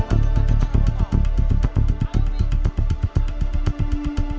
yang dikasing pemimpin